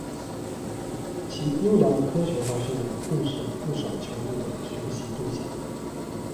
其优良的科学化训练更是不少球队的学习对象。